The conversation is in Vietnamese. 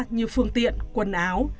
như phương tiện quần áo